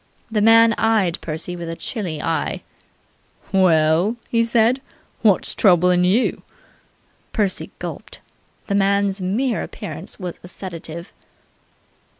This man eyed Percy with a chilly eye. "Well," he said. "What's troublin' you?" Percy gulped. The man's mere appearance was a sedative.